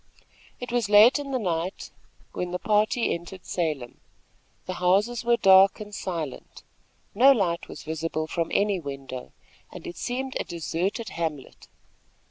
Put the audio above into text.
It was late in the night when the party entered Salem. The houses were dark and silent. No light was visible from any window, and it seemed a deserted hamlet.